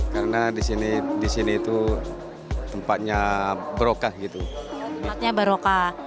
karena di sini tempatnya barokah